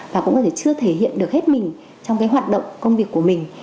và cũng có thể chưa thể hiện được hết mình trong cái hoạt động công việc của mình